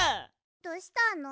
どうしたの？